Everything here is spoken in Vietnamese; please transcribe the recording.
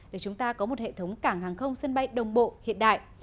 để chúng ta có một hệ thống cảng hàng không sân bay đồng bộ hiện đại